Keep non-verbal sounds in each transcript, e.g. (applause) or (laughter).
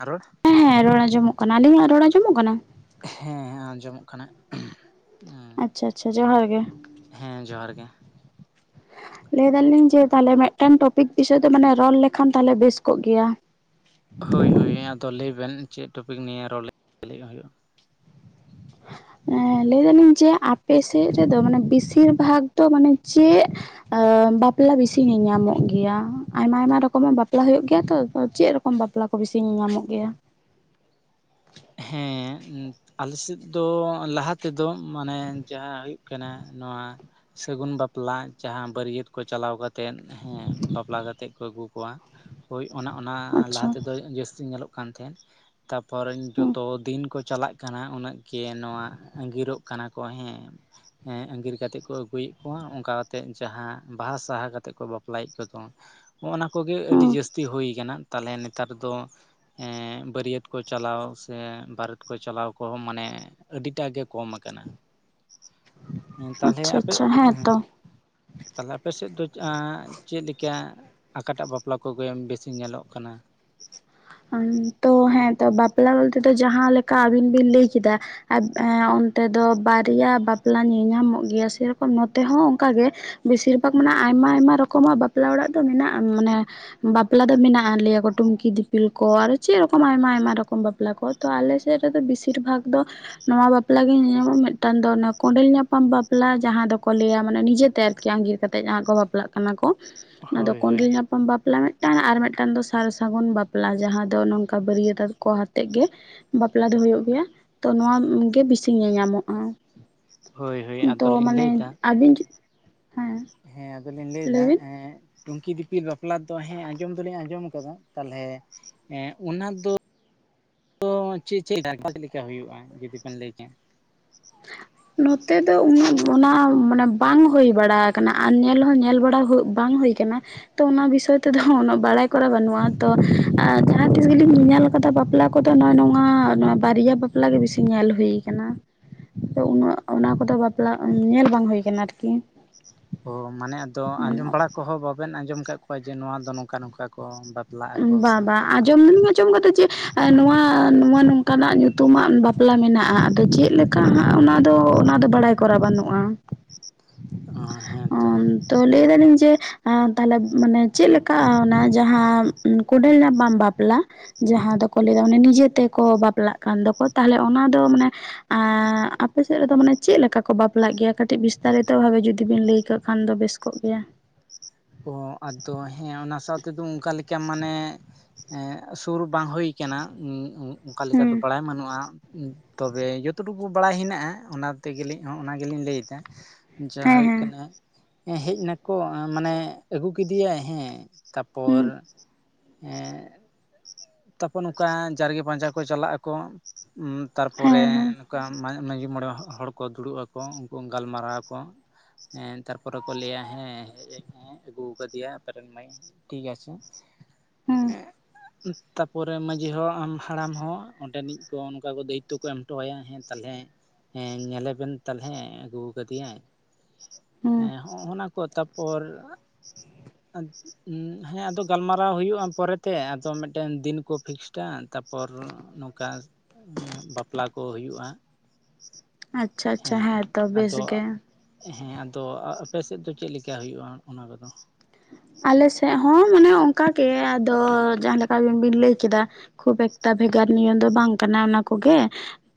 ᱟᱨ ᱨᱚᱲ ᱦᱮᱸ ᱦᱮᱸ ᱨᱚᱲ ᱟᱸᱡᱚᱢᱚᱜ ᱠᱟᱱᱟ ᱟᱹᱞᱤᱧᱟᱜ ᱨᱚᱲ ᱟᱸᱡᱚᱢᱚᱜ ᱠᱟᱱᱟ ᱦᱮᱸ ᱦᱮᱸ ᱟᱸᱡᱚᱢᱚᱜ ᱠᱟᱱᱟ ᱟᱪᱪᱷᱟ ᱟᱪᱪᱷᱟ ᱡᱚᱦᱟᱨ ᱜᱮ ᱦᱮᱸ ᱡᱚᱦᱟᱨ ᱜᱮ ᱞᱟᱹᱭ ᱫᱟᱹᱞᱤᱧ ᱡᱮ ᱛᱟᱦᱚᱞᱮ ᱢᱤᱫᱴᱟᱝ ᱴᱚᱯᱤᱠ ᱵᱤᱥᱚᱭ ᱛᱮ ᱢᱟᱱᱮ ᱨᱚᱲ ᱞᱮᱠᱷᱟᱱ ᱛᱟᱦᱚᱞᱮ ᱵᱮᱥ ᱠᱚᱜ ᱜᱮᱭᱟ ᱦᱳᱭ ᱦᱳᱭ ᱦᱮᱸ ᱟᱫᱚ ᱞᱟᱹᱭᱵᱮᱱ ᱪᱮᱫ ᱴᱚᱯᱤᱠ ᱱᱤᱭᱮ ᱨᱚᱲ ᱦᱩᱭᱩᱜᱼᱟ ᱮᱸ ᱞᱟᱹᱭ ᱫᱟᱹᱞᱤᱧ ᱡᱮ ᱟᱯᱮ ᱥᱮᱫ ᱨᱮᱫᱚ ᱢᱟᱱᱮ ᱵᱮᱥᱤᱨ ᱵᱷᱟᱜᱽ ᱫᱚ ᱢᱟᱱᱮ ᱪᱮᱫ ᱵᱟᱯᱞᱟ ᱵᱤᱥᱤ ᱧᱮᱧᱟᱢᱚᱜ ᱜᱮᱭᱟ ᱟᱭᱢᱟ ᱟᱭᱢᱟ ᱨᱚᱠᱚᱢᱟᱜ ᱵᱟᱯᱞᱟ ᱦᱩᱭᱩᱜ ᱜᱮᱭᱟ ᱛᱚ ᱪᱮᱫ ᱠᱚᱢ ᱵᱟᱯᱞᱟ ᱠᱚ ᱵᱤᱥᱤ ᱧᱮᱧᱟᱢᱚᱜ ᱜᱮᱭᱟ ᱦᱮᱸ ᱟᱞᱮ ᱥᱮᱫ ᱫᱚ ᱞᱟᱦᱟ ᱛᱮᱫᱚ ᱢᱟᱱᱮ ᱡᱟᱦᱟᱸ ᱦᱩᱭᱩᱜ ᱠᱟᱱᱟ ᱱᱚᱣᱟ ᱥᱟᱹᱜᱩᱱ ᱵᱟᱯᱞᱟ ᱡᱟᱦᱟᱸ ᱵᱟᱹᱨᱭᱟᱹᱛ ᱠᱚ ᱪᱟᱞᱟᱣ ᱠᱟᱛᱮᱱ ᱦᱮᱸ ᱵᱟᱯᱞᱟ ᱠᱟᱛᱮᱜ ᱠᱚ ᱟᱹᱜᱩ ᱠᱚᱣᱟ ᱦᱳᱭ ᱚᱱᱟ ᱚᱱᱟ ᱟᱪᱪᱷᱟ ᱞᱟᱦᱟ ᱛᱮᱫᱚ ᱡᱟᱹᱥᱛᱤ ᱧᱮᱞᱚᱜ ᱠᱟᱱ ᱛᱟᱦᱮᱸᱫ ᱛᱟᱨᱯᱚᱨᱮ (unintelligible) ᱦᱩᱸ ᱛᱚ ᱫᱤᱱ ᱠᱚ ᱪᱟᱞᱟᱜ ᱠᱟᱱᱟ ᱩᱱᱟᱹᱜ ᱜᱮ ᱱᱚᱣᱟ ᱟᱸᱜᱤᱨᱚᱜ ᱠᱟᱱᱟ ᱠᱚ ᱦᱮᱸ ᱦᱮᱸ ᱟᱸᱜᱤᱨ ᱠᱟᱛᱮᱜ ᱠᱚ ᱟᱹᱜᱩᱭᱮᱫ ᱠᱚᱣᱟ ᱚᱱᱠᱟ ᱠᱟᱛᱮᱜ ᱡᱟᱦᱟᱸ ᱵᱟᱦᱟ ᱥᱟᱦᱟ ᱠᱟᱛᱮᱜ ᱠᱚ ᱵᱟᱯᱞᱟᱭᱮᱫ ᱠᱚᱣᱟ ᱠᱚ ᱦᱚᱸᱜᱼᱱᱟ ᱠᱚᱜᱮ ᱟᱹᱰᱤ ᱦᱩᱸ ᱡᱟᱹᱥᱛᱤ ᱦᱩᱭᱠᱟᱱᱟ ᱛᱟᱦᱚᱞᱮ ᱱᱮᱛᱟᱨ ᱫᱚ ᱮᱸ ᱵᱟᱹᱨᱭᱟᱹᱛ ᱠᱚ ᱪᱟᱞᱟᱣ ᱛᱮ ᱵᱟᱨᱮᱛ ᱠᱚ ᱪᱟᱞᱟᱣ ᱠᱚᱦᱚᱸ ᱢᱟᱱᱮ ᱟᱹᱰᱤᱴᱟᱜ ᱜᱮ ᱠᱚᱢ ᱟᱠᱟᱱᱟ ᱦᱮᱸ ᱛᱟᱦᱚᱞᱮ ᱟᱪᱪᱷᱟ ᱟᱯᱮ ᱟᱪᱪᱷᱟ ᱦᱮᱸ ᱛᱚ ᱛᱟᱦᱚᱞᱮ ᱟᱯᱮ ᱥᱮᱫ ᱫᱚ ᱪᱮᱫ ᱞᱮᱠᱟ ᱟᱠᱟᱴᱟᱜ ᱵᱟᱯᱞᱟ ᱠᱚᱜᱮ ᱵᱤᱥᱤ ᱧᱮᱞᱚᱜ ᱠᱟᱱᱟ ᱛᱚ ᱦᱮᱸᱛᱚ ᱵᱟᱯᱞᱟ ᱵᱚᱞᱛᱮ ᱫᱚ ᱡᱟᱦᱟᱸ ᱞᱮᱠᱟ ᱟᱵᱤᱱ ᱵᱤᱱ ᱞᱟᱹᱭ ᱠᱮᱫᱟ ᱚᱱᱛᱮ ᱫᱚ ᱵᱟᱨᱭᱟ ᱵᱟᱯᱞᱟ ᱧᱮᱧᱟᱢᱚᱜ ᱜᱮᱭᱟ ᱥᱮᱨᱚᱠᱚᱢ ᱱᱚᱛᱮ ᱦᱚᱸ ᱚᱝᱠᱟᱜᱮᱼᱼ ᱵᱤᱥᱤᱨ ᱵᱷᱟᱜᱽ ᱢᱮᱱᱟᱜᱼᱟ ᱟᱭᱢᱟ ᱟᱭᱢᱟ ᱨᱚᱠᱚᱢᱟᱜ ᱵᱟᱯᱞᱟ ᱚᱲᱟᱜ ᱫᱚ ᱢᱮᱱᱟᱜᱼᱟ ᱢᱟᱱᱮᱼᱼ ᱵᱟᱯᱞᱟ ᱫᱚ ᱢᱮᱱᱟᱜᱼᱟ ᱞᱟᱹᱭᱟ ᱠᱚ ᱴᱩᱝᱠᱤ ᱫᱤᱠᱼᱼ ᱤᱠᱚᱞ ᱟᱨ ᱪᱮᱫ ᱨᱚᱠᱚᱢ ᱟᱭᱢᱟ ᱟᱭᱢᱟ ᱨᱚᱠᱚᱢ ᱵᱟᱯᱞᱟ ᱠᱚ ᱛᱚ ᱟᱞᱮ ᱥᱮᱫ ᱨᱮᱫᱚ ᱵᱤᱥᱤᱨ ᱵᱷᱟᱜᱽ ᱫᱚ, ᱱᱚᱣᱟ ᱵᱟᱯᱞᱟᱜ ᱜᱮ ᱧᱮᱞ ᱧᱟᱢᱚᱜᱼᱟ ᱢᱤᱫᱴᱟᱝ ᱫᱚ ᱚᱱᱟ ᱠᱚᱸᱰᱮᱞ ᱧᱟᱯᱟᱢ ᱵᱟᱯᱞᱟ ᱡᱟᱦᱟᱸ ᱫᱚᱠᱚ ᱞᱟᱹᱭᱟ ᱢᱟᱱᱮ ᱱᱤᱡᱮᱛᱮ ᱟᱨᱠᱤ ᱟᱝᱜᱤᱨ᱾ ᱠᱟᱛᱮᱫ ᱡᱟᱦᱟᱸ ᱠᱚ ᱵᱟᱯᱞᱟᱜ᱾ ᱚᱱᱟ ᱠᱚ ᱚᱱᱟ ᱫᱚ ᱦᱳᱭ ᱦᱳᱭ ᱠᱚᱸᱰᱞᱮ ᱧᱟᱯᱟᱢ ᱵᱟᱯᱞᱟ ᱢᱤᱫᱴᱟᱝ ᱟᱨ ᱢᱤᱫᱴᱟᱝ ᱫᱚ ᱥᱟᱨ ᱥᱟᱹᱜᱩᱱ ᱵᱟᱯᱞᱼᱼ ᱵᱟᱯᱞᱟ ᱡᱟᱦᱟᱸ ᱫᱚ ᱱᱚᱝᱠᱟ ᱵᱟᱹᱨᱭᱟᱹᱛᱚᱜ ᱠᱚ ᱟᱛᱮᱫ ᱜᱮᱼᱼ ᱵᱟᱯᱞᱟ ᱫᱚ ᱦᱳᱭᱳᱜ ᱜᱮᱭᱟ ᱛᱚ ᱱᱚᱣᱟ ᱜᱮ ᱵᱤᱥᱤ ᱧᱮᱧᱟᱢᱚᱜᱼᱟ᱾ ᱦᱳᱭ ᱦᱳᱭ ᱛᱚ ᱟᱫᱚᱞᱤᱧ ᱢᱟᱱᱮ ᱞᱟᱹᱭᱫᱟ ᱟᱵᱤᱱ ᱦᱮᱸ, ᱦᱮᱸ ᱟᱫᱚᱞᱤᱧ ᱞᱟᱹᱭ ᱮᱫᱟ ᱦᱮᱸ, ᱴᱩᱝᱠᱤ ᱫᱤᱯᱤᱞ ᱵᱟᱯᱞᱟ ᱫᱚ ᱦᱮᱸ ᱟᱸᱡᱚᱢ ᱫᱚᱞᱤᱧ ᱟᱸᱡᱚᱢ ᱟᱠᱟᱫᱟ ᱛᱟᱦᱞᱮᱼᱼ ᱦᱮᱸ ᱚᱱᱟ ᱫᱚ ᱪᱮᱫ ᱪᱮᱫ ᱪᱮᱫ ᱞᱮᱠᱟ ᱦᱩᱭᱩᱜᱼᱟ ᱡᱩᱫᱤ ᱵᱮᱱ ᱞᱟᱹᱭ ᱠᱮᱼᱼ (unintelligible) ᱱᱚᱛᱮ ᱫᱚ ᱩᱱᱟᱹᱜ ᱚᱱᱟ ᱢᱟᱱᱮ ᱵᱟᱝ ᱦᱩᱭ ᱵᱟᱲᱟ ᱟᱠᱟᱱᱟ ᱟᱨ ᱧᱮᱞ ᱦᱚᱸ ᱧᱮᱞ ᱵᱟᱲᱟ ᱵᱟᱝ ᱦᱩᱭ ᱟᱠᱟᱱᱟ᱾ ᱛᱚ ᱚᱱᱟ ᱵᱤᱥᱚᱭ ᱛᱮᱫᱚ ᱩᱱᱟᱹᱜ ᱵᱟᱲᱟᱭ ᱠᱚᱨᱟ ᱵᱟᱹᱱᱩᱜᱼᱟ ᱛᱚ ᱡᱟᱦᱟᱸ ᱛᱤᱥ ᱜᱮᱞᱤᱧ ᱧᱮᱞ ᱠᱟᱫᱟ ᱵᱟᱯᱞᱟᱼᱼ ᱟᱠᱚᱫᱚ ᱱᱚᱭ ᱱᱚᱣᱟ ᱵᱟᱨᱭᱟ ᱵᱟᱯᱞᱟ ᱜᱮ ᱵᱤᱥᱤ ᱧᱮᱞ ᱦᱩᱭ ᱟᱠᱟᱱᱟ᱾ ᱛᱚ ᱩᱱᱟᱹᱜ ᱚᱱᱟ ᱠᱚᱫᱚ ᱵᱟᱯᱞᱟ ᱧᱮᱞ ᱵᱟᱝ ᱦᱩᱭ ᱟᱠᱟᱱᱟ ᱟᱨᱠᱤ᱾ ᱢᱟᱱᱮ ᱟᱫᱚ ᱟᱸᱡᱚᱢ ᱵᱟᱲᱟ ᱠᱚᱦᱚᱸ ᱵᱟᱵᱮᱱ ᱟᱸᱡᱚᱢ ᱟᱠᱟᱫ ᱠᱚᱣᱟ ᱡᱮ ᱱᱚᱣᱟ ᱫᱚ ᱱᱚᱝᱠᱟ ᱱᱚᱝᱠᱟ ᱠᱚ ᱵᱟᱯᱼᱼ ᱵᱟ ᱵᱟᱝ ᱟᱸᱡᱚᱢ ᱫᱚ ᱟᱸᱡᱚᱢ ᱠᱟᱫᱟ ᱡᱮᱼᱼ ᱱᱚᱣᱟ ᱱᱚᱝᱠᱟᱱᱟᱜ ᱧᱩᱛᱩᱢᱟᱜ ᱵᱟᱯᱞᱟ ᱢᱮᱱᱟᱜᱼᱟ ᱟᱫᱚ ᱪᱮᱫ ᱞᱮᱠᱟ ᱦᱟᱸᱜ ᱚᱱᱟ ᱫᱚ ᱚᱱᱟ ᱫᱚ ᱵᱟᱲᱟᱭᱼᱼ ᱠᱚᱨᱟᱣ ᱵᱟᱹᱱᱩᱜᱼᱟ᱾ ᱦᱚ ᱦᱮᱸᱛᱚ᱾ ᱛᱚ ᱞᱟᱹᱭ ᱫᱟᱞᱤᱧ ᱡᱮ ᱛᱟᱦᱚᱞᱮ ᱢᱟᱱᱮ ᱪᱮᱫᱞᱮᱠᱟ ᱚᱱᱟ ᱡᱟᱦᱟᱸᱼᱼ ᱠᱳᱰᱮᱞ ᱱᱟᱯᱟᱢ ᱵᱟᱯᱞᱟ, ᱡᱟᱦᱟᱸ ᱫᱚᱠᱚ ᱞᱟᱹᱭᱟ ᱚᱱᱮ ᱱᱤᱡᱮ ᱛᱮᱠᱚ ᱵᱟᱯᱞᱟᱜ ᱠᱟᱱ ᱫᱚᱠᱚ ᱛᱟᱦᱞᱮ ᱚᱱᱟ ᱫᱚ ᱢᱟᱱᱮᱼᱼ ᱟᱨ ᱟᱯᱮ ᱥᱮᱫ ᱨᱮᱫᱚ ᱢᱟᱱᱮ ᱪᱮᱫ ᱞᱮᱠᱟ ᱠᱚ ᱵᱟᱯᱞᱟᱜ ᱜᱮᱭᱟ ᱠᱟᱹᱴᱤᱡ ᱵᱤᱥᱛᱟᱨᱤᱛᱚ ᱵᱷᱟᱵᱮ ᱡᱩᱫᱤ ᱵᱤᱱ ᱞᱟᱹᱭ ᱠᱟᱜ ᱠᱷᱟᱱ ᱫᱚ ᱵᱮᱥ ᱠᱚ᱾ ᱠᱚᱜ ᱜᱮᱭᱟ᱾ ᱦᱚ ᱟᱫᱚ ᱦᱮᱸ ᱚᱱᱟ ᱥᱟᱶ ᱛᱮᱫᱚ ᱚᱱᱠᱟ ᱞᱮᱠᱟ ᱢᱟᱱᱮᱼᱼ ᱦᱮ ᱥᱩᱨ ᱵᱟᱝ ᱦᱩᱭ ᱠᱟᱱᱟ ᱚᱱᱠᱟ ᱞᱮᱠᱟ ᱦᱮᱸ ᱛᱮ ᱵᱟᱲᱟᱭ᱾ ᱵᱟᱹᱱᱩᱜᱼᱟ ᱛᱚᱵᱮ ᱡᱚᱛᱚ ᱴᱩᱠᱩ ᱵᱟᱲᱟᱭ ᱦᱮᱱᱟᱜᱼᱟ ᱚᱱᱟ ᱛᱮᱜᱮᱞ ᱦᱚᱸ ᱚᱱᱟ ᱜᱮᱞᱤᱧ ᱞᱟᱹᱭᱟ᱾ ᱡᱟᱦᱟᱸ ᱦᱮᱸ ᱦᱩᱭᱩᱜ ᱦᱮᱸ ᱠᱟᱱᱟ ᱦᱮᱡ ᱱᱟᱠᱚ ᱢᱟᱱᱮ ᱟᱹᱜᱩ ᱠᱮᱫᱮᱭᱟᱭ ᱦᱮᱸ, ᱛᱟᱯᱚᱨᱼᱼ ᱦᱮᱸ ᱦᱮᱸ ᱛᱟᱨᱯᱚᱨ ᱱᱚᱝᱠᱟ ᱡᱟᱨᱜᱮ ᱯᱟᱸᱡᱟ ᱠᱚ ᱪᱟᱞᱟᱜ ᱟᱠᱚ᱾ ᱦᱩᱸ ᱛᱟᱨᱯᱚᱨᱮ ᱦᱮᱸ ᱦᱮᱸ ᱱᱚᱠᱟᱼᱼ ᱢᱟᱺᱡᱷᱤ ᱢᱚᱬᱮ ᱦᱚᱲ ᱠᱚ ᱫᱩᱲᱩᱵ ᱟᱠᱚ ᱩᱱᱠᱩ ᱜᱟᱞᱢᱟᱨᱟᱣ ᱟᱠᱚ᱾ ᱦᱮᱸ ᱛᱟᱨᱯᱚᱨᱮ ᱠᱚ ᱞᱟᱹᱭᱟ ᱦᱮᱸ᱾ ᱦᱮᱸ ᱟᱹᱜᱩ ᱠᱟᱫᱮᱭᱟ ᱟᱯᱮ ᱨᱮᱱ ᱢᱟᱭ ᱴᱷᱤᱠ ᱟᱪᱷᱮ ᱦᱮᱸ ᱦᱮᱸᱼᱼ ᱛᱟᱯᱚᱨᱮ ᱢᱟᱺᱡᱷᱤ ᱦᱚᱲ ᱟᱢ ᱦᱟᱲᱟᱢ ᱦᱚᱸ ᱚᱸᱰᱮᱱᱤᱡ ᱠᱚ ᱚᱱᱠᱟ ᱠᱚ ᱫᱟᱭᱤᱛᱛᱚ ᱠᱚ ᱮᱢ ᱦᱚᱴᱚᱣᱟᱭᱟ ᱦᱮᱸ ᱛᱟᱦᱚᱞᱮᱼᱼ ᱦᱮᱸ ᱧᱮᱞᱮ ᱵᱮᱱ ᱛᱟᱦᱚᱞᱮ ᱟᱹᱜᱩ ᱠᱟᱫᱮᱭᱟᱭ᱾ ᱦᱮᱸ ᱦᱚᱜᱼ ᱱᱟ ᱠᱚ ᱛᱟᱨᱯᱚᱨᱼᱼ ᱦᱮᱸ ᱟᱫᱚ ᱜᱟᱞᱢᱟᱨᱟᱣ ᱦᱩᱭᱩᱜᱼᱟ ᱯᱚᱨᱮᱛᱮ ᱟᱫᱚ ᱢᱤᱫᱴᱮᱱ ᱫᱤᱱ ᱠᱚ ᱯᱷᱤᱠᱥᱼᱼ ᱟᱪᱪᱷᱟ ᱛᱟᱯᱚᱨ ᱱᱚᱝᱠᱟ ᱵᱟᱯᱞᱟ ᱠᱚ ᱦᱩᱭᱩᱜᱼᱟ᱾ ᱟᱪᱪᱷᱟ ᱟᱪᱪᱷᱟ ᱦᱮᱸ ᱦᱮᱸᱛᱚ ᱵᱮᱥ ᱟᱫᱚ ᱜᱮ᱾ ᱦᱮᱸ ᱟᱫᱚ ᱟᱯᱮ ᱥᱮᱫ ᱫᱚ ᱪᱮᱫᱞᱮᱠᱟ ᱦᱩᱭᱩᱜᱼᱟ ᱚᱱᱟ ᱠᱚᱫᱚ? ᱟᱞᱮ ᱥᱮᱫ ᱦᱚᱸ ᱢᱟᱱᱮ ᱚᱱᱠᱟᱜᱮ ᱟᱫᱚ ᱡᱟᱦᱟᱸ ᱞᱮᱠᱟ ᱟᱵᱤᱱ ᱵᱤᱱ ᱞᱟᱹᱭ ᱠᱮᱫᱟ, ᱠᱷᱩᱵ ᱮᱠᱴᱟ ᱵᱷᱮᱜᱟᱨ ᱱᱤᱭᱚᱢ ᱫᱚ ᱵᱟᱝ ᱠᱟᱱᱟ ᱚᱱᱟ ᱠᱚᱜᱮ᱾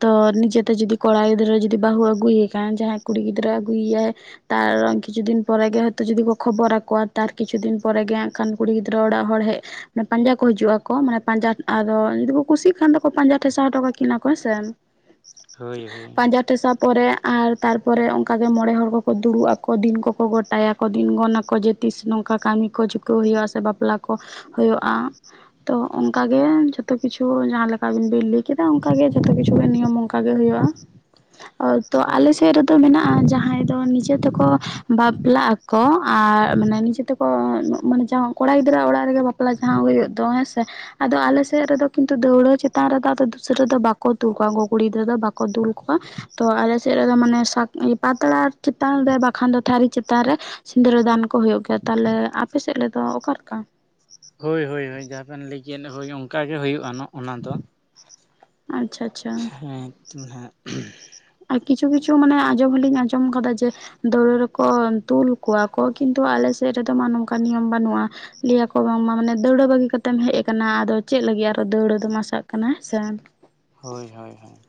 ᱛᱚ ᱱᱤᱡᱮᱛᱮ ᱡᱚᱫᱤ ᱠᱚᱲᱟ ᱜᱤᱫᱽᱨᱟᱹ ᱡᱚᱫᱤ ᱵᱟᱦᱩ ᱟᱜᱩᱭ ᱮᱠᱟᱱ ᱡᱟᱦᱟᱸᱭ ᱠᱩᱲᱤ ᱜᱤᱫᱽᱨᱟᱹ ᱟᱜᱩᱭ ᱭᱟᱭ ᱛᱟᱨᱚᱱ ᱠᱤᱪᱷᱩ ᱫᱤᱱ ᱯᱚᱨᱮᱜᱮ ᱦᱚᱭᱛᱚ ᱡᱩᱚᱫᱤ ᱠᱚ ᱠᱷᱚᱵᱚᱨᱟᱠᱚᱣᱟ ᱛᱟᱨ ᱠᱤᱪᱷᱩ ᱫᱤᱱ ᱯᱚᱨᱮ ᱜᱮ ᱦᱟᱸᱜᱠᱷᱟᱱ ᱠᱩᱲᱤ ᱜᱤᱫᱽᱨᱟᱹ ᱚᱲᱟᱜ ᱦᱚᱲ ᱦᱮᱡ ᱢᱟᱱᱮ ᱯᱟᱸᱡᱟ ᱠᱚ ᱦᱤᱡᱩᱜᱟ ᱠᱚ ᱢᱟᱱᱮ ᱯᱟᱸᱡᱟ ᱟᱫᱚ ᱡᱩᱫᱤ ᱠᱚ ᱠᱩᱥᱤᱜ ᱠᱷᱟᱱ ᱫᱚᱠᱚ ᱯᱟᱸᱡᱟ ᱴᱷᱮᱥᱟᱣ ᱦᱚᱴᱚ ᱠᱟᱹᱠᱤᱱᱟ ᱠᱚ ᱦᱮᱸᱥᱮ᱾ ᱦᱳᱭ ᱦᱳᱭ ᱯᱟᱸᱡᱟ ᱴᱷᱮᱥᱟᱵ ᱯᱚᱨᱮ ᱟᱨ ᱛᱟᱨᱯᱚᱨᱮ ᱚᱱᱠᱟ ᱜᱮ ᱢᱚᱬᱮᱸ ᱦᱚᱲ ᱠᱚᱠᱚ ᱫᱩᱲᱩᱵ ᱟᱠᱚ ᱫᱤᱱ ᱠᱚᱠᱚ ᱜᱚᱴᱟᱭᱟᱠᱚ ᱫᱤᱱ ᱜᱚᱱ ᱟᱠᱚ ᱡᱮ ᱛᱤᱥ ᱱᱚᱝ ᱠᱟ ᱠᱟᱹᱢᱤ ᱠᱚ ᱪᱤᱠᱟᱹᱣ ᱦᱩᱭᱩᱜᱼᱟ ᱥᱮ ᱵᱟᱯᱞᱟ ᱠᱚ ᱦᱩᱭᱩᱜᱼᱟ᱾ ᱛᱚ ᱚᱱᱠᱟ ᱜᱮ ᱡᱚᱛᱚ ᱠᱤᱪᱷᱩ ᱡᱟᱦᱟᱸ ᱞᱮᱠᱟ ᱟᱵᱤᱱ ᱵᱤᱱ ᱞᱟᱹᱭ ᱠᱮᱫᱟ ᱚᱱᱠᱟ ᱜᱮ ᱡᱚᱛᱚ ᱠᱤᱪᱷᱩ ᱜᱮ ᱱᱤᱭᱚᱢ ᱚᱱ ᱠᱟ ᱜᱮ ᱦᱩᱭᱩᱜᱼᱟ ᱟᱨ ᱛᱚ ᱟᱞᱮ ᱥᱮᱫ ᱨᱮ ᱛᱚ ᱢᱮᱱᱟᱜᱼᱟ ᱡᱟᱦᱟᱸᱭ ᱫᱚ ᱱᱤᱡᱮ ᱛᱮᱠᱚ ᱵᱟᱯᱞᱟᱜ ᱟᱠᱚ ᱟᱨ ᱢᱟᱱᱮ ᱱᱤᱡᱮ ᱛᱮᱠᱚ ᱠᱚ (unintelligible) ᱢᱟᱱᱮ ᱡᱟᱦᱟᱸ ᱠᱚᱲᱟ ᱜᱤᱫᱽᱨᱟᱹ ᱟᱜ ᱚᱲᱟᱜ ᱨᱮᱜᱮ ᱵᱟᱯᱞᱟ ᱡᱟᱦᱟᱸ ᱦᱩᱭᱩᱜ ᱫᱚ, ᱦᱮᱸ ᱥᱮ, ᱟᱫᱚ ᱟᱞᱮ ᱥᱮᱫ ᱨᱮᱫᱚ ᱠᱤᱱᱛᱩ ᱫᱟᱹᱣᱲᱟᱹ ᱪᱮᱛᱟᱱ ᱨᱮᱫᱚ ᱟᱫᱚ ᱫᱩᱥᱨᱟᱹ ᱫᱚ ᱵᱟᱠᱚ ᱫᱩᱞ ᱠᱚᱣᱟ ᱩᱱᱠᱩ ᱠᱩᱲᱤ ᱜᱤᱫᱽᱨᱟᱹ ᱫᱚ ᱵᱟᱠᱚ ᱫᱩᱞ ᱠᱚᱣᱟ᱾ ᱛᱚ ᱟᱞᱮᱥᱮᱜ ᱨᱮᱫᱚ ᱢᱟᱱᱮ ᱥᱟᱠ ᱯᱟᱛᱲᱟ ᱪᱮᱛᱟᱱ ᱨᱮ ᱵᱟᱠᱷᱟᱱ ᱫᱚ ᱛᱷᱟᱹᱨᱤ ᱪᱮᱛᱟᱱ ᱨᱮ, ᱥᱤᱸᱫᱽᱨᱟᱹ ᱫᱟᱱ ᱠᱚ ᱦᱩᱭᱩᱜ ᱜᱮᱭᱟ ᱛᱟᱦᱚᱞᱮ ᱟᱯᱮ ᱥᱮᱫ ᱨᱮᱫᱚ ᱚᱠᱟᱞᱮᱠᱟ? ᱦᱳᱭ, ᱦᱳᱭ, ᱦᱳᱭ, ᱡᱟᱦᱟᱸ ᱵᱮᱱ ᱞᱟᱹᱭᱠᱮᱜᱼᱟ ᱦᱳᱭ ᱚᱝᱠᱟᱜᱮ ᱦᱩᱭᱩᱜᱼᱟ ᱱᱚᱜᱼᱱᱟ ᱫᱚ, ᱟᱪᱪᱷᱟ ᱟᱪᱪᱷᱟ ᱦᱮᱸ, (unintelligible) ᱟᱨ ᱠᱤᱪᱷᱩ ᱠᱤᱪᱷᱩ ᱢᱟᱱᱮ ᱟᱸᱡᱚᱢ ᱦᱚᱸᱞᱤᱧ ᱟᱸᱡᱚᱢ ᱟᱠᱟᱫᱟ ᱡᱮ ᱫᱟᱹᱣᱲᱟᱹ ᱨᱮ ᱠᱚ ᱛᱩᱞ ᱠᱚᱣᱟ ᱠᱚ ᱠᱤᱱᱛᱩ ᱟᱞᱮ ᱥᱮᱫ ᱨᱮᱫᱚ ᱢᱟ ᱱᱚᱝᱠᱟ ᱱᱤᱭᱚᱢ ᱵᱟᱹᱱᱩᱜᱼᱟ᱾ ᱞᱟᱹᱭ ᱟᱠᱚ ᱵᱟᱝᱢᱟ ᱢᱟᱱᱮ ᱫᱟᱹᱣᱲᱟᱹ ᱵᱟᱹᱜᱤ ᱠᱟᱛᱮᱢ ᱦᱮᱜ ᱟᱠᱟᱱᱟ ᱟᱫᱚ ᱪᱮᱫ ᱞᱟᱹᱜᱤᱫ ᱟᱨ ᱫᱟᱹᱣᱲᱟᱹ ᱫᱚᱢ ᱟᱥᱟᱜ ᱠᱟᱱᱟ ᱦᱮᱸᱥᱮ᱾ ᱦᱳᱭ, ᱦᱳᱭ, ᱦᱳᱭ,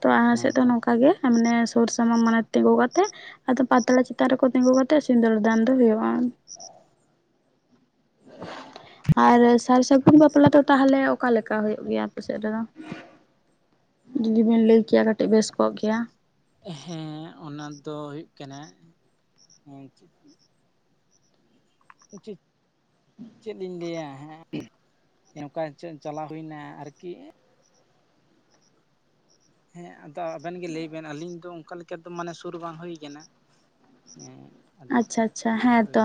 ᱛᱚ ᱟ (unintelligible) ᱦᱮᱸ ᱥᱮᱫ ᱫᱚ ᱛᱚ ᱱᱚᱝᱠᱟ ᱜᱮ ᱢᱟᱱᱮ ᱥᱩᱨ ᱥᱟᱢᱟᱝ ᱢᱟᱲᱮ ᱛᱤᱸᱜᱩ ᱠᱟᱛᱮ, ᱟᱫᱚ ᱯᱟᱛᱲᱟ ᱪᱮᱛᱟᱱ ᱨᱮᱠᱚ ᱛᱤᱸᱜᱩ ᱠᱟᱛᱮᱫ ᱥᱤᱸᱫᱩᱨ ᱫᱟᱱ ᱫᱚ ᱦᱩᱭᱩᱜᱼᱟ ᱾ ᱟᱨ ᱥᱟᱨ ᱥᱟᱹᱜᱩᱱ ᱵᱟᱯᱞᱟ ᱫᱚ ᱛᱟᱦᱚᱞᱮ ᱚᱠᱟ ᱞᱮᱠᱟ ᱦᱩᱭᱩᱜ ᱜᱮᱭᱟ ᱟᱯᱮ ᱥᱮᱫ ᱨᱮᱫᱚ ᱡᱩᱫᱤ ᱵᱤᱱ ᱞᱟᱹᱭ ᱠᱮᱭᱟ ᱠᱟᱹᱴᱤᱡ ᱵᱮᱥ ᱠᱚᱜ ᱠᱮᱭᱟ? ᱦᱮᱸ ᱚᱱᱟ ᱫᱚ ᱦᱩᱭᱩᱜ ᱠᱟᱱᱟ ᱩᱪᱤᱛ ᱪᱮᱫ ᱤᱧ ᱞᱟᱹᱭᱟ, ᱦᱮᱸ, (unintelligible) ᱪᱚ ᱪᱟᱞᱟᱣ ᱦᱩᱭᱱᱟ ᱟᱨᱠᱤ ᱦᱮᱸ, ᱟᱫᱚ ᱟᱵᱮᱱ ᱜᱮ ᱞᱟᱹᱭ ᱵᱮᱱ ᱟᱞᱤᱧ ᱫᱚ ᱚᱱᱠᱟ ᱞᱮᱠᱟ ᱫᱚ ᱢᱟᱱᱮ ᱥᱩᱨ ᱵᱟᱝ ᱦᱩᱭ ᱠᱟᱱᱟ᱾ ᱦᱮᱸ, ᱟᱪᱪᱷᱟ, ᱟᱪᱪᱷᱟ, ᱦᱮᱸ ᱦᱳᱭ ᱛᱚ,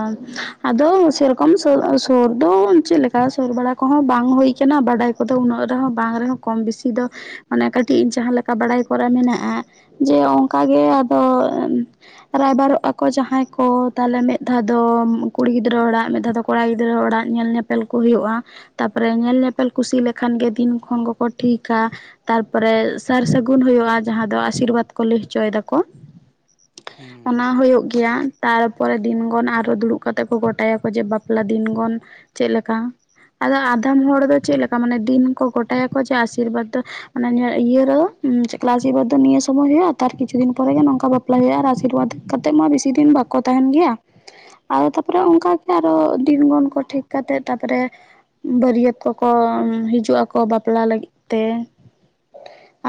ᱟᱫᱚ ᱥᱮᱨᱚᱠᱚᱢ ᱥᱩ ᱥᱩᱨ ᱫᱚ ᱪᱮᱫ ᱞᱮᱠᱟ ᱥᱩᱨ ᱵᱟᱲᱟ ᱠᱚᱦᱚᱸ ᱵᱟᱝ ᱦᱩᱭ ᱟᱠᱟᱱᱟ ᱵᱟᱰᱟᱭ ᱠᱚᱫᱚ ᱩᱱᱟᱹᱜ ᱨᱮᱦᱚᱸ ᱵᱟᱝ ᱨᱮᱦᱚᱸ ᱠᱚᱢ ᱵᱤᱥᱤ ᱫᱚ ᱢᱚᱱᱮ ᱠᱟᱹᱴᱤᱡ ᱧᱤ ᱡᱟᱦᱟᱸ ᱞᱮᱠᱟ ᱵᱟᱲᱟᱭ ᱠᱚᱨᱟ ᱢᱮᱱᱟᱜᱼᱟ ᱡᱮ ᱚᱱᱠᱟᱜᱮ ᱟᱫᱚ ᱨᱟᱭᱵᱟᱨᱚᱜ ᱟᱠᱚ ᱡᱟᱦᱟᱸᱭ ᱠᱚ ᱛᱟᱦᱞᱮ ᱢᱤᱫ ᱫᱷᱟᱣ ᱫᱚ ᱠᱩᱲᱤ ᱜᱤᱫᱽᱨᱟᱹ ᱚᱲᱟᱜ ᱢᱤᱫ ᱫᱷᱟᱣ ᱫᱚ ᱠᱚᱲᱟ ᱜᱤᱫᱽᱨᱟᱹ ᱚᱲᱟᱜ ᱧᱮᱞ ᱧᱮᱯᱮᱞ ᱠᱚ ᱦᱩᱭᱩᱜᱼᱟ᱾ ᱛᱟᱯᱚᱨᱮ ᱧᱮᱞ ᱧᱮᱯᱮᱞ ᱠᱩᱥᱤ ᱞᱮᱠᱷᱟᱱ ᱜᱮ ᱫᱤᱱ ᱠᱷᱚᱱ ᱠᱚᱠᱚ ᱴᱷᱤᱠᱼᱟ᱾ ᱛᱟᱨᱯᱚᱨᱮ ᱥᱟᱨ ᱥᱟᱹᱜᱩᱱ ᱦᱩᱭᱩᱜᱼᱟ ᱡᱟᱸᱦᱟ ᱫᱚ ᱟᱥᱤᱨᱵᱟᱫᱽ ᱠᱚ ᱞᱟᱹᱭ ᱦᱚᱪᱚᱭ ᱫᱟᱠᱚ᱾ ᱦᱮᱸ ᱚᱱᱟ ᱦᱩᱭᱩᱜ ᱜᱮᱭᱟ, ᱛᱟᱨᱯᱚᱨᱮ ᱫᱤᱱᱜᱚᱱ ᱟᱨᱚ ᱫᱩᱲᱩᱵ ᱠᱟᱛᱮᱫ ᱠᱚ ᱜᱚᱴᱟᱭᱟᱠᱚ, ᱡᱮ ᱵᱟᱯᱞᱟ ᱫᱤᱱᱜᱚᱱ ᱪᱮᱫ ᱞᱮᱠᱟ? ᱟᱫᱚ ᱟᱫᱷᱟᱱ ᱦᱚᱲ ᱫᱚ ᱪᱮᱫ ᱞᱮᱠᱟ ᱢᱟᱱᱮ ᱫᱤᱱ ᱠᱚ ᱜᱚᱴᱟᱭᱟᱠᱚ ᱡᱮ ᱟᱥᱤᱨᱵᱟᱫᱽ ᱫᱚ ᱢᱟᱱᱮ ᱤᱭᱟᱹ ᱨᱚ (unintelligible) ᱫᱚ ᱱᱤᱭᱟᱹ ᱥᱚᱢᱚᱭ ᱦᱩᱭᱩᱜᱼᱟ ᱛᱟᱨ ᱠᱤᱪᱷᱩ ᱫᱤᱱ ᱯᱚᱨᱮᱜᱮ ᱱᱚᱝᱠᱟ ᱵᱟᱯᱞᱟ ᱦᱩᱭᱩᱜᱼᱟ ᱟᱨ ᱟᱥᱤᱨᱵᱟᱫᱽ ᱠᱟᱛᱮᱫ ᱢᱟ ᱵᱮᱥᱤ ᱫᱤᱱ ᱵᱟᱠᱚ ᱛᱟᱦᱮᱱ ᱜᱮᱭᱟ ᱟᱨᱚ ᱛᱟᱯᱚᱨᱮ ᱚᱱᱠᱟᱛᱮ ᱟᱨᱚ ᱫᱤᱱᱜᱚᱱ ᱠᱚ ᱴᱷᱤᱠ ᱠᱟᱛᱮ ᱛᱟᱯᱚᱨᱮ ᱵᱟᱹᱨᱭᱟᱹᱛ ᱠᱚᱠᱚᱢ ᱦᱤᱡᱩᱜ ᱟᱠᱚ ᱵᱟᱯᱞᱟ ᱞᱟᱹᱜᱤᱫ ᱛᱮ᱾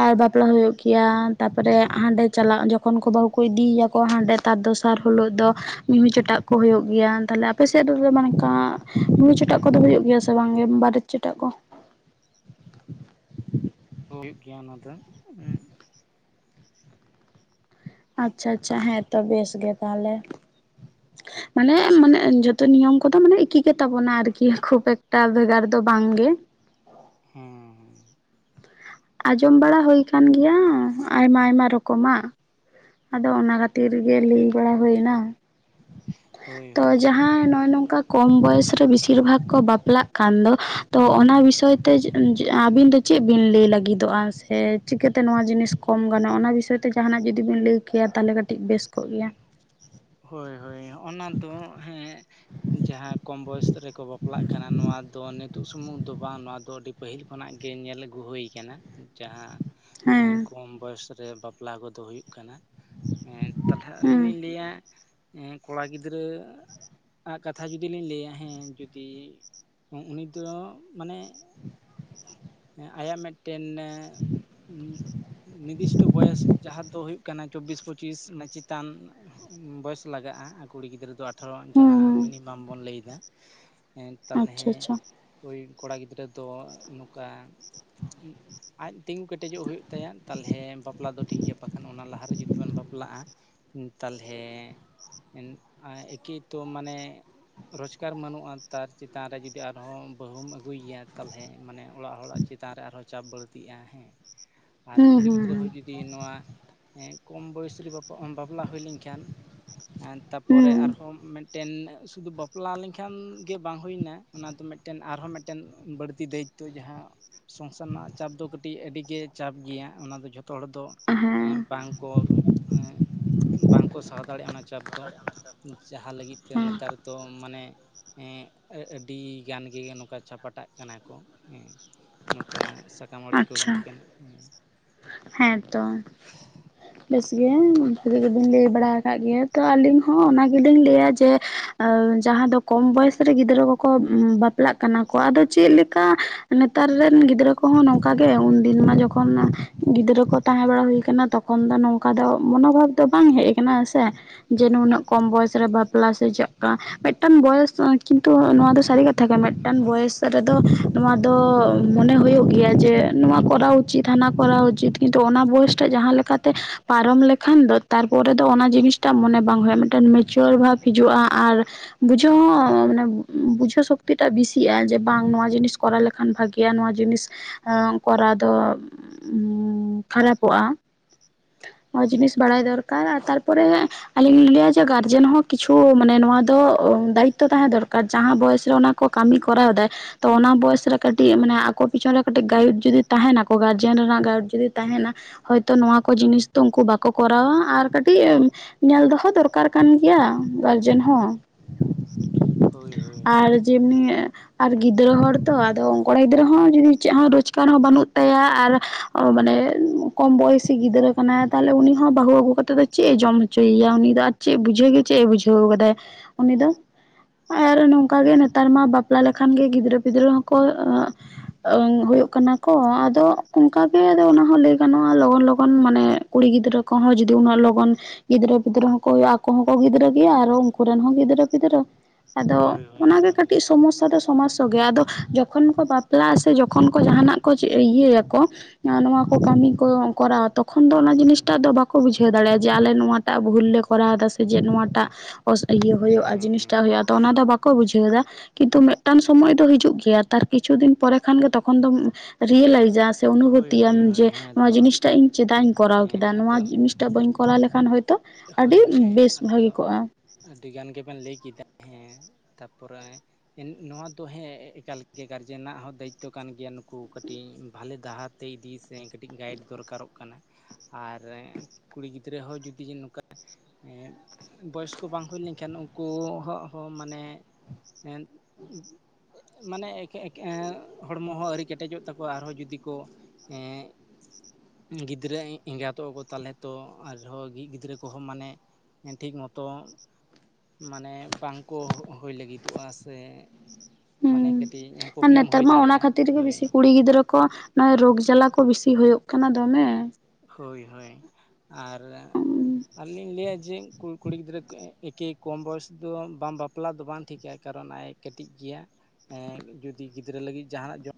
ᱟᱨ ᱵᱟᱯᱞᱟ ᱦᱩᱭᱩᱜ ᱜᱮᱭᱟ᱾ ᱛᱟᱯᱚᱨᱮ ᱦᱟᱸᱰᱮ ᱪᱟᱞᱟᱜ ᱡᱚᱠᱷᱚᱱ ᱠᱚ ᱵᱟᱹᱦᱩ ᱠᱚ ᱤᱫᱤᱭᱟᱠᱚ ᱦᱟᱸᱰᱮ ᱛᱟᱨ ᱫᱚᱥᱟᱨ ᱦᱳᱞᱳᱜ ᱫᱚ ᱢᱤᱦᱩ ᱪᱮᱴᱟᱜ ᱠᱚ ᱦᱩᱭᱩᱜ ᱜᱮᱭᱟ ᱛᱷᱟᱞᱮ ᱟᱯᱮ ᱥᱮᱫ ᱫᱚ ᱚᱝᱠᱟ ᱢᱤᱦᱩ ᱪᱚᱴᱟᱜ ᱠᱚᱫᱚ ᱦᱩᱭᱩᱜ ᱜᱮᱭᱟᱥ ᱥᱮ ᱵᱟᱝᱜᱮ ᱵᱟᱨᱮᱛ ᱪᱮᱴᱟᱜ ᱠᱚ ᱦᱩᱭᱩᱜ ᱜᱮᱭᱟ ᱚᱱᱟ ᱫᱚ ᱩᱸᱜ ᱟᱪᱪᱷᱟ ᱟᱪᱪᱷᱟ ᱦᱮᱸ ᱛᱚ ᱵᱮᱥ ᱜᱮ ᱛᱟᱦᱚᱞᱮ᱾ ᱢᱟᱱᱮ ᱢᱟᱱᱮ ᱡᱷᱚᱛᱚ ᱱᱤᱭᱚᱢ ᱠᱚᱫᱚ ᱢᱟᱱᱮ ᱮᱠᱤ ᱜᱮᱛᱟ ᱵᱚᱱᱟ ᱟᱨᱠᱤ ᱠᱷᱩᱵ ᱮᱠᱴᱟ ᱵᱷᱮᱜᱟᱨ ᱫᱚ ᱵᱟᱝᱜᱮ ᱦᱮᱸ ᱦᱮᱸ ᱟᱸᱡᱚᱢ ᱵᱟᱲᱟ ᱦᱩᱭ ᱠᱟᱱ ᱜᱮᱭᱟ ᱟᱭᱢᱟ ᱟᱭᱢᱟ ᱨᱚᱠᱚᱢᱟᱜ᱾ ᱟᱫᱚ ᱚᱱᱟ ᱠᱷᱟᱹᱛᱤᱨ ᱜᱮ ᱞᱟᱹᱭ ᱵᱟᱲᱟ ᱦᱩᱭ ᱮᱱᱟ᱾ ᱦᱳᱭ ᱛᱚᱵᱮ ᱦᱳᱭ ᱡᱟᱦᱟᱸᱭ ᱱᱚᱭᱼᱚᱭ ᱱᱚᱝᱠᱟᱜ ᱠᱚᱢ ᱵᱚᱭᱚᱥ ᱨᱮ ᱵᱤᱥᱤᱨ ᱵᱷᱟᱜᱽ ᱠᱚ ᱵᱟᱯᱞᱟᱜ ᱠᱟᱱ ᱫᱚ ᱛᱚ ᱚᱱᱟ ᱵᱤᱥᱚᱭ ᱛᱮ ᱟᱹᱵᱤᱱ ᱫᱚ ᱪᱤᱫ ᱵᱤᱱ ᱞᱟᱹᱭ ᱞᱟᱜᱤ ᱜᱤᱫᱚᱜᱼᱟ ᱥᱮ ᱪᱤᱠᱟᱹᱛᱮ ᱱᱚᱣᱟ ᱡᱤᱱᱤᱥ ᱠᱚᱢ ᱜᱟᱱᱚᱜ ᱚᱱᱟ ᱵᱤᱥᱚᱭ ᱛᱮ ᱡᱟᱦᱟᱸᱱᱟᱜ ᱡᱩᱫᱤ ᱵᱤᱱ ᱞᱟᱹᱭ ᱠᱮᱭᱟ ᱛᱟᱦᱚᱞᱮ ᱠᱟᱹᱴᱤᱡ ᱵᱮᱥ ᱠᱚᱜ ᱜᱮᱭᱟ᱾ ᱦᱳᱭ ᱦᱳᱭ ᱚᱱᱟ ᱫᱚ ᱦᱮᱸ ᱡᱟᱦᱟᱸ ᱠᱚᱢ ᱵᱚᱭᱚᱥ ᱨᱮᱠᱚ ᱵᱟᱯᱞᱟᱜ ᱠᱟᱱᱟ ᱱᱚᱣᱟ ᱫᱚ ᱱᱤᱛ ᱛᱩᱜ ᱥᱩᱢᱩᱜ ᱫᱚ ᱵᱟᱝ ᱱᱚᱣᱟ ᱫᱚ ᱟᱹᱰᱤ ᱯᱟᱹᱦᱤᱞ ᱠᱷᱚᱱᱟᱜ ᱜᱮ ᱧᱮᱞ ᱟᱹᱜᱩ ᱦᱩᱭ ᱠᱟᱱᱟ᱾ ᱡᱟᱦᱟᱸ ᱦᱮᱸ ᱮᱸ ᱠᱚᱢ ᱵᱚᱭᱚᱥ ᱨᱮ ᱵᱟᱯᱞᱟ ᱠᱚᱫᱚ ᱦᱩᱭᱩᱜ ᱠᱟᱱᱟ ᱮᱸᱱ ᱛᱟᱞᱦᱮ ᱟᱹᱞᱤᱧ ᱦᱮᱸ ᱞᱤᱧ ᱞᱟᱹᱭᱟ ᱮᱸ ᱠᱚᱲᱟ ᱜᱤᱫᱽᱨᱟᱹ ᱟᱜ ᱠᱟᱛᱷᱟ ᱡᱩᱫᱤ ᱞᱤᱧ ᱞᱟᱹᱭᱟ ᱦᱮᱸ ᱡᱩᱫᱤ ᱩ ᱩᱱᱤ ᱫᱚ ᱢᱟᱱᱮ ᱟᱭᱟᱜ ᱢᱮᱴᱴᱮᱱ ᱦᱮᱸ ᱩᱸ ᱱᱤᱨᱫᱤᱥᱴᱚ ᱵᱚᱭᱮᱥ ᱡᱟᱦᱟᱸ ᱫᱚ ᱦᱩᱭᱩᱜ ᱠᱟᱱᱟ ᱪᱚᱵᱽᱵᱤᱥ ᱯᱚᱸᱪᱤᱥ ᱚᱱᱮ ᱪᱤᱛᱟᱱ ᱵᱚᱭᱮᱥ ᱞᱟᱜᱟᱜᱼᱟ ᱟ ᱠᱩᱲᱤ ᱜᱤᱫᱽᱨᱟᱹ ᱫᱚ ᱟᱴᱷᱟᱨᱚ ᱦᱩᱸ ᱡᱟᱦᱟᱸ ᱦᱩᱸ ᱢᱤᱱᱤᱢᱟᱢ ᱵᱚᱱ ᱞᱟᱹᱭᱫᱟ᱾ ᱦᱮᱸ ᱛᱟᱞᱦᱮ ᱟᱪᱪᱷᱟ ᱟᱪᱪᱷᱟ ᱦᱳᱭ ᱠᱚᱲᱟ ᱜᱤᱫᱽᱨᱟᱹ ᱫᱚ ᱱᱚᱠᱟ ᱩᱸᱜ ᱟᱡ ᱛᱤᱸᱜᱩ ᱠᱮᱴᱮᱡᱚᱜ ᱦᱩᱭᱩᱜ ᱛᱟᱭᱟ ᱛᱟᱞᱦᱮ ᱵᱟᱯᱞᱟ ᱫᱚ ᱴᱷᱤᱠ ᱜᱮᱭᱟ ᱵᱟᱠᱷᱟᱱ ᱚᱱᱟ ᱞᱟᱦᱟᱨᱮ ᱡᱩᱫᱤ ᱵᱮᱱ ᱵᱟᱯᱞᱟᱜᱼᱟ ᱛᱟᱞᱦᱮ ᱮᱱ ᱟᱭ ᱮᱠᱤ ᱛᱚ ᱢᱟᱱᱮ ᱨᱚᱡᱽᱜᱟᱨ ᱢᱟᱹᱱᱩᱜᱼᱟ ᱛᱟᱨ ᱪᱮᱛᱟᱱ ᱨᱮ ᱡᱩᱫᱤ ᱟᱨᱦᱚᱸ ᱵᱟᱹᱦᱩᱢ ᱟᱹᱜᱩᱭᱭᱟ ᱛᱟᱞᱦᱮ ᱢᱟᱱᱮ ᱚᱲᱟᱜ ᱦᱚᱲᱟᱜ ᱪᱤᱛᱟᱱ ᱨᱮ ᱟᱨᱦᱚᱸ ᱪᱟᱯ ᱵᱟᱹᱲᱛᱤᱜᱼᱟ ᱦᱮᱸ᱾ (inaudible) ᱟᱨ ᱠᱩᱲᱤ ᱦᱩᱸ ᱜᱤᱫᱽᱨᱟᱹ ᱦᱚᱸ ᱦᱩᱸ ᱡᱩᱫᱤ ᱱᱚᱣᱟ ᱮᱸᱜ ᱠᱚᱢ ᱵᱚᱭᱮᱥ ᱨᱮ ᱵᱟᱯᱟ ᱵᱟᱯᱞᱟ ᱦᱩᱭ ᱞᱮᱱᱠᱷᱟᱱ ᱮᱸ ᱛᱟᱯᱚᱨᱮ ᱦᱩᱸ ᱟᱨᱦᱚᱸ ᱢᱮᱴ ᱴᱮᱱ ᱥᱩᱫᱷᱩ ᱵᱟᱯᱞᱟ ᱞᱮᱱᱠᱷᱟᱱ ᱜᱮ ᱵᱟᱝ ᱦᱩᱭᱱᱟ ᱚᱱᱟ ᱫᱚ ᱢᱤᱫᱴᱮᱱ ᱟᱨᱦᱚᱸ ᱢᱤᱫᱴᱮᱱ ᱵᱟᱹᱲᱛᱤ ᱫᱟᱹᱭᱤᱛ ᱛᱚ ᱡᱟᱦᱟᱸ ᱥᱚᱝᱥᱟᱨ ᱨᱮᱱᱟᱜ ᱪᱟᱯ ᱫᱚ ᱠᱟᱹᱴᱤᱡ ᱟᱹᱰᱤᱜᱮ ᱪᱟᱯ ᱜᱮᱭᱟ ᱚᱱᱟ ᱫᱚ ᱡᱷᱚᱛ ᱡᱚᱛᱚ ᱦᱚᱲ ᱫᱚ ᱮᱸᱜ ᱦᱮᱸ ᱵᱟᱝ ᱠᱚ ᱮᱸᱜ ᱵᱟᱝ ᱥᱟᱦᱟᱣ ᱫᱟᱲᱮᱭᱟᱜᱼᱟ ᱚᱱᱟ ᱪᱟᱯ ᱫᱚ ᱡᱟᱦᱟᱸ ᱞᱟᱹᱜᱤᱫ ᱛᱮ ᱦᱮᱸ ᱱᱮᱛᱟᱨ ᱫᱚᱢ ᱢᱟᱱᱮ ᱮᱸᱜ ᱟᱹ ᱟᱹᱰᱤ ᱜᱟᱱ ᱜᱮ ᱱᱚᱠᱟ ᱪᱷᱟᱯᱟᱴᱟᱜ ᱠᱟᱱᱟ ᱠᱚ ᱦᱮᱸ᱾ ᱱᱚᱠᱟ ᱥᱟᱠᱟᱢ ᱚᱲᱮᱡ ᱠᱚ ᱦᱩᱭᱩᱜ ᱠᱟᱱᱟ ᱦᱮᱸ᱾ ᱦᱮᱸᱛᱚ, ᱵᱮᱥ ᱜᱮᱢ (unintelligible) ᱜᱮᱵᱮᱱ ᱞᱟᱹᱭ ᱵᱟᱲᱟᱣ ᱟᱠᱟᱫ ᱜᱮᱭᱟ ᱛᱚ ᱟᱞᱤᱧ ᱦᱚᱸ ᱚᱱᱟᱜ ᱜᱤᱞᱤᱧ ᱞᱟᱹᱭᱟ ᱡᱮ ᱟᱸ ᱡᱟᱦᱟᱸ ᱫᱚ ᱠᱚᱢ ᱵᱚᱭᱮᱥ ᱨᱮ ᱜᱤᱫᱽᱨᱟᱹ ᱠᱚᱠᱚ ᱩᱢ ᱵᱟᱯ ᱯᱞᱟᱜ ᱠᱟᱱᱟ ᱠᱚ ᱟᱫᱚ ᱪᱮᱫ ᱞᱮᱠᱟ ᱱᱮᱛᱟᱨ ᱨᱮᱱ ᱜᱤᱫᱽᱨᱟᱹ ᱠᱚᱦᱚᱸ ᱱᱚᱝᱠᱟ ᱜᱮ ᱩᱱᱫᱤᱱ ᱢᱟ ᱡᱚᱠᱷᱚᱱ ᱜᱤᱫᱽᱨᱟᱹ ᱠᱚ ᱛᱟᱦᱮᱸ ᱵᱟᱲᱟ ᱦᱩᱭ ᱠᱟᱱᱟ ᱛᱚᱠᱷᱚᱱ ᱫᱚ ᱱᱚᱝᱠᱟ ᱫᱚ ᱢᱚᱱᱚᱵᱷᱟᱵ ᱫᱚ ᱵᱟᱝ ᱦᱮᱡ ᱟᱠᱟᱱᱟ ᱥᱮ᱾ ᱡᱮ ᱱᱩᱱᱟᱹᱜ ᱠᱚᱢ ᱵᱚᱭᱮᱥ ᱨᱮ ᱵᱟᱯᱞᱟ ᱥᱮ ᱪᱮᱜ ᱠᱟ᱾ ᱢᱮᱜᱴᱟᱱ ᱵᱚᱭᱮᱥ ᱠᱤᱱᱛᱩ ᱱᱚᱣᱟ ᱫᱚ ᱥᱟᱨᱤ ᱠᱟᱛᱷᱟ ᱜᱮ ᱢᱮᱜᱴᱟᱱ ᱵᱚᱭᱮᱥ ᱨᱮᱫᱚ᱾ ᱱᱚᱣᱟ ᱫᱚ ᱢᱚᱱᱮ ᱦᱳᱭᱳᱜ ᱜᱮᱭᱟ ᱡᱮ ᱱᱚᱣᱟ ᱠᱚᱨᱟᱣ ᱩᱪᱤᱛ ᱦᱟᱱᱟ᱾ ᱠᱚᱨᱟᱣ ᱩᱪᱤᱛ ᱠᱤᱱᱛᱩ ᱚᱱᱟ ᱵᱚᱭᱮᱥ ᱴᱟᱜ ᱡᱟᱦᱟᱸ ᱞᱮᱠᱟᱛᱮ᱾ ᱯᱟᱨᱚᱢ ᱞᱮᱠᱷᱟᱱ ᱫᱚ ᱛᱟᱨᱯᱚᱨᱮ ᱫᱚ ᱚᱱᱟ ᱡᱤᱱᱤᱥᱴᱟᱜ ᱢᱚᱱᱮ ᱵᱟᱝ ᱦᱳᱭᱳᱜ-ᱟ ᱢᱮᱜᱴᱮᱱ ᱢᱤᱪᱩᱣᱟᱹᱨ ᱵᱷᱟᱵᱽ ᱦᱤᱡᱩᱜ-ᱟ ᱟᱨ᱾ ᱵᱩᱡᱷᱟᱹᱣ ᱦᱚᱸ ᱢᱟᱱᱮ ᱵᱩᱡᱷᱟᱹᱣ ᱥᱚᱠᱛᱤᱴᱟᱜ ᱵᱤᱥᱤᱜ-ᱟ ᱡᱮ ᱵᱟᱝ ᱱᱚᱣᱟ ᱡᱤᱱᱤᱥ ᱠᱚᱨᱟ ᱞ ᱠᱷᱟᱱ ᱵᱷᱟᱜᱮᱭᱟ ᱱᱚᱣᱟ ᱡᱤᱱᱤᱥ ᱟᱸ ᱠᱚᱨᱟᱣ ᱫᱚ᱾ ᱠᱷᱟᱨᱟᱯᱚᱜ-ᱟ ᱱᱚᱣᱟ ᱡᱤᱱᱤᱥ ᱵᱟᱲᱟᱭ ᱫᱚᱨᱠᱟᱨ ᱟᱨ ᱛᱟᱨᱯᱚᱨᱮ᱾ ᱟᱞᱤᱧ ᱞᱤᱧ ᱞᱟᱹᱭᱟ ᱡᱮ ᱜᱟᱨᱡᱮᱱ ᱦᱚᱸ ᱠᱤᱪᱷᱩ ᱢᱟᱱᱮ ᱱᱚᱣᱟ ᱫᱚ ᱫᱟᱭᱤᱛᱛᱚ ᱛᱟᱦᱮ ᱫᱚᱨᱠᱟᱨ ᱡᱟᱦᱟᱸ ᱵᱚᱭᱮᱥ ᱨᱮ ᱚᱱᱟ᱾ ᱠᱚ ᱠᱟᱢᱤ ᱠᱚᱨᱟᱣ ᱫᱟᱭ ᱛᱚ ᱚᱱᱟ ᱵᱚᱭᱮᱥ ᱨᱮ ᱠᱟᱴᱤᱜ ᱢᱟᱱᱮ ᱟᱠᱚ ᱯᱤᱪᱷᱚᱱ ᱨᱮ ᱠᱟᱴᱤᱜ ᱜᱟᱭᱤᱰ ᱡᱩᱫᱤ ᱛᱟᱦᱮᱱᱟᱠᱚ ᱜᱟᱡ ᱡᱮᱱ ᱨᱮᱱᱟᱜ ᱜᱟᱭᱤᱰ ᱡᱩᱫᱤ ᱛᱟᱦᱮᱱᱟ ᱦᱚᱭᱛᱚ ᱱᱚᱣᱟ ᱠᱚ ᱡᱤᱱᱤᱥ ᱫᱚ ᱩᱱᱠᱩ ᱵᱟᱠᱚ ᱠᱚᱨᱟᱣᱟ ᱟᱨ ᱠᱟᱴᱤᱜ᱾ ᱧᱮᱞ ᱫᱚᱦᱚ ᱫᱚᱨᱠᱟᱨ ᱠᱟᱱ ᱜᱮᱭᱟ ᱜᱟᱨᱡᱮᱱ ᱦᱚᱸ᱾ ᱦᱳᱭ ᱦᱳᱭ᱾ ᱡᱮᱢᱱᱤᱭᱮ᱾ ᱟᱨ ᱜᱤᱫᱽᱨᱟᱹ ᱦᱚᱲ ᱛᱚ ᱟᱫᱚ ᱠᱚᱲᱟ ᱜᱤᱫᱽᱨᱟᱹ ᱦᱚᱸ ᱡᱩᱫᱤ ᱪᱮᱜ ᱦᱚᱸ ᱨᱳᱡᱽᱜᱟᱨ ᱦᱚᱸ ᱵᱟᱱᱩᱜ ᱛᱟᱭᱟ ᱟᱨ᱾ ᱚ ᱢᱟᱱᱮ ᱠᱚᱢ ᱵᱚᱭᱚᱥᱤ ᱜᱤᱫᱽᱨᱟᱹ ᱠᱟᱱᱟᱭ ᱛᱟᱦᱞᱮ ᱩᱱᱤ ᱦᱚᱸ ᱵᱟᱦᱩ ᱟᱜᱩ ᱠᱟᱛᱮ ᱫᱚ᱾ ᱪᱮᱜ ᱮ ᱡᱚᱢ ᱦᱚᱪᱚᱭᱭᱟ ᱩᱱᱤ ᱫᱚ ᱟᱨ ᱪᱮᱜ ᱵᱩᱡᱷᱟᱹᱣ ᱜᱮ ᱪᱮᱜ ᱮ ᱵᱩᱡᱷᱟᱹᱣ ᱠᱟᱫᱟᱭ ᱩᱱᱤ ᱫᱚ᱾ ᱟᱨ ᱱᱚᱝᱠᱟ ᱜᱮ ᱱᱮᱛᱟᱨ ᱢᱟ ᱵᱟᱯᱞᱟ ᱞᱮᱠᱷᱟᱱ ᱜᱮ ᱜᱤᱫᱽᱨᱟᱹ ᱯᱤᱫᱽᱨᱟᱹ ᱦᱚᱸ ᱠᱚ᱾ ᱦᱳᱭᱳᱜ ᱠᱟᱱᱟ ᱠᱚ ᱟᱫᱚ᱾ ᱚᱝᱠᱟᱜᱮ ᱟᱫᱚ ᱚᱱᱟ ᱦᱚᱸ ᱞᱟᱹᱭ ᱜᱟᱱᱚᱜ-ᱟ ᱞᱚᱜᱚᱱ ᱞᱚᱜᱚᱱ ᱢᱟᱱᱮ ᱠᱩᱲᱤ ᱜᱤᱫᱽᱨᱟᱹ ᱠᱚᱦᱚᱸ ᱡᱩᱫᱤ ᱩᱱᱟᱹᱜ ᱞᱚᱜᱚᱱ᱾ ᱜᱤᱫᱽᱨᱟᱹ ᱯᱤᱫᱽᱨᱟᱹ ᱦᱚᱸᱠᱚ ᱦᱩᱭᱩᱜ-ᱟ ᱟᱠᱚ ᱦᱚᱸᱠᱚ ᱜᱤᱫᱽᱨᱟᱹ ᱜᱮᱭᱟ ᱟᱨᱚ ᱩᱱᱠᱩ ᱨᱮᱱ ᱦᱚᱸ ᱜᱤᱫᱽᱨᱟᱹ ᱯᱤᱫᱽᱨᱟᱹ᱾ ᱟᱫᱚ ᱦᱳᱭ ᱦᱳᱭ ᱦᱳᱭ ᱦᱮᱸ ᱚᱱᱟᱜᱮ ᱠᱟᱴᱤᱜ ᱥᱚᱢᱚᱥᱥᱟ ᱨᱮ᱾ ᱥᱚᱢᱟᱥᱥᱚ ᱜᱮ ᱟᱫᱚ ᱡᱚᱠᱷᱚᱱ ᱠᱚ ᱵᱟᱯᱞᱟᱜ-ᱟ ᱥᱮ ᱡᱚᱠᱷᱚᱱ ᱠᱚ ᱡᱟᱦᱟᱱᱟᱜ ᱠᱚ ᱪᱮ ᱤᱭᱟᱹᱭᱟᱠᱚ᱾ ᱱᱚᱜ-ᱚ ᱱᱚᱣᱟ ᱠᱚ ᱠᱟᱢᱤ ᱠᱚ ᱠᱚᱨᱟᱣᱟ ᱛᱚᱠᱷᱚᱱ ᱫᱚ ᱚᱱᱟ ᱡᱤᱱᱤᱥ ᱴᱟᱜ ᱫᱚ ᱵᱟᱠᱚ ᱵᱩᱡᱷᱟᱹᱣ ᱫᱟᱲᱮᱜ-ᱟ ᱡᱮ ᱟᱞᱮ ᱱᱚᱣᱟ᱾ ᱴᱟᱜ ᱵᱷᱩᱞ ᱞᱮ ᱠᱚᱨᱟᱣ ᱫᱟ ᱥᱮ ᱡᱮ ᱱᱚᱣᱟ ᱴᱟᱜ ᱳᱥ ᱤᱭᱟᱹ ᱦᱳᱦᱳᱜ-ᱟ ᱡᱤᱱᱤᱥᱴᱟᱜ ᱦᱮᱸ ᱦᱳᱭᱳᱜ-ᱟ᱾ ᱛᱚ ᱚᱱᱟ ᱫᱚ ᱵᱟᱠᱚ ᱵᱩᱡᱷᱟᱹᱣ ᱫᱟ᱾ ᱠᱤᱱᱛᱩ ᱢᱮᱜᱴᱟᱝ ᱥᱚᱢᱚᱭ ᱫᱚ ᱦᱤᱡᱩᱜ ᱜᱮᱭᱟ ᱛᱟᱨ ᱠᱤᱪᱷᱩ ᱫᱤᱱ ᱯᱚᱨᱮ ᱠᱷᱟᱱ ᱜᱮ ᱛᱚᱠᱷᱚᱱ ᱫᱚᱢ ᱨᱤᱭᱮ ᱞᱟᱭᱤᱡᱟ᱾ ᱦᱳᱭ ᱚᱱᱩᱵᱷᱩᱛᱤᱭᱟᱢ ᱦᱳᱭ ᱡᱮ ᱦᱳᱭ ᱱᱚᱣᱟ ᱦᱮᱸᱛᱚ ᱡᱤᱱᱤᱥᱴᱟᱜ ᱤᱧ ᱪᱮᱫᱟᱜ ᱤᱧ ᱠᱚᱨᱟᱣ ᱠᱮᱫᱟ ᱦᱮᱸ ᱱᱚᱣᱟ ᱟᱫᱚ ᱡᱤᱱᱤᱥᱴᱟ ᱵᱟᱹᱧ ᱠᱚᱨᱟᱣ ᱞᱮᱠᱷᱟᱱ ᱦᱚᱭ ᱛᱚ ᱟᱰᱤ ᱦᱳᱭ ᱦᱳᱭ ᱵᱮᱥ ᱵᱷᱟᱜᱤ ᱟᱫᱚ ᱠᱚᱜ-ᱟ᱾ ᱟᱹᱰᱤ ᱜᱟᱱ ᱜᱮᱵᱮᱱ ᱞᱟᱹᱭ ᱠᱮᱫᱟ ᱦᱮᱸ ᱛᱟᱯᱚᱨᱮ᱾ ᱱᱚᱣᱟ ᱫᱚ ᱦᱮᱸ ᱮᱠᱟᱞᱜᱮ ᱜᱟᱨᱡᱮᱱᱟᱜ ᱦᱚᱸ ᱫᱟᱭᱤᱛᱛᱚ ᱠᱟᱱ ᱜᱮᱭᱟ ᱱᱩᱠᱩ ᱠᱟᱹᱴᱤᱡ ᱵᱷᱟᱞᱮ ᱰᱟᱦᱟᱨ᱾ ᱛᱮ ᱤᱫᱤ ᱥᱮ ᱠᱟᱹᱴᱤᱡ ᱜᱟᱭᱤᱰ ᱫᱚᱨᱠᱟᱨᱚᱜ ᱠᱟᱱᱟ ᱟᱨ ᱠᱩᱲᱤ ᱜᱤᱫᱽᱨᱟᱹ ᱦᱚᱸ ᱡᱩᱫᱤ ᱱᱚ ᱠᱟ ᱮᱸᱫ ᱵᱚᱭᱚᱥᱠᱚ ᱵᱟᱝ ᱦᱩᱭ ᱞᱮᱱᱠᱷᱟᱱ ᱩᱝᱠᱩ ᱦᱚᱸᱜ ᱦᱚᱸ ᱢᱟᱱᱮ᱾ ᱮᱸᱫ᱾ ᱢᱟᱱᱮ ᱮᱠᱮ ᱮᱠ ᱦᱚᱲᱢᱚ ᱦᱚᱸ ᱟᱹᱣᱨᱤ ᱠᱮᱴᱮᱡᱚᱜ ᱛᱟᱠᱚᱣᱟ ᱟᱨᱦᱚᱸ ᱡᱩᱫᱤ ᱠᱚ᱾ ᱮᱸᱜ ᱜᱤᱫᱽᱨᱟᱹ ᱮᱸᱜᱟᱛᱚᱜ-ᱟᱠᱚ ᱛᱟᱦᱞᱮ ᱛᱚ ᱟᱨᱦᱚᱸ ᱜᱤ ᱜᱤᱫᱽᱨᱟᱹ ᱠᱚ᱾ ᱠᱚᱦᱚᱸ ᱢᱟᱱᱮ ᱴᱷᱤᱠ ᱢᱚᱛᱚ᱾ ᱢᱟᱱᱮ ᱵᱟᱝᱠᱚ ᱦᱳᱭ ᱞᱟᱹᱜᱤᱫᱚᱜ-ᱟ ᱥᱮ᱾ ᱦᱩᱸ ᱢᱟᱱᱮ ᱠᱟᱹᱴᱤᱡ ᱟᱨ ᱯᱨᱚᱵᱞᱮᱢ ᱱᱮᱛᱟᱨ ᱦᱩᱭ ᱢᱟ ᱚᱱᱟ ᱫᱟᱲᱮᱭᱟᱜᱼᱟ ᱠᱷᱟᱛᱤᱨ ᱜᱮ ᱦᱳᱭ ᱵᱮᱥᱤ ᱠᱩᱲᱤ ᱜᱤᱫᱽᱨᱟᱹ ᱠᱚ᱾ ᱱᱚᱜ-ᱚᱭ ᱨᱳᱜᱽ ᱡᱟᱞᱟ ᱠᱚ ᱵᱤᱥᱤ ᱦᱳᱭᱳᱜ ᱠᱟᱱᱟ ᱫᱚᱢᱮ᱾ ᱦᱳᱭ ᱦᱳᱭ ᱟᱨ᱾ ᱟᱨ ᱞᱤᱧ ᱞᱟᱹᱭᱟ ᱡᱮ ᱠᱩᱲᱤ ᱜᱤᱫᱽᱨᱟᱹ ᱮᱠᱮ ᱠᱚᱢ ᱵᱚᱭᱚᱥ ᱫᱚ ᱵᱟᱝ ᱵᱟᱯᱞᱟ ᱫᱚ ᱵᱟᱝ ᱴᱷᱤᱠ ᱟ᱾ ᱠᱟᱨᱚᱱ ᱟᱭ ᱮ ᱠᱟᱹᱴᱤᱡ ᱜᱮᱭᱟ ᱡᱩᱫᱤ ᱜᱤᱫᱽᱨᱟᱹ ᱞᱟᱹᱜᱤᱫ ᱡᱟᱦᱟᱱᱟᱜ ᱡᱚᱢ